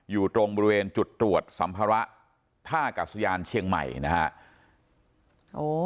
อยู่ตรงบริเวณจุดตรวจสัมภาระท่ากัศยานเชียงใหม่นะฮะ